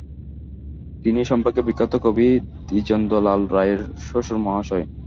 তিনি সম্পর্কে বিখ্যাত কবি দ্বিজেন্দ্রলাল রায়ের শশুরমহাশয়।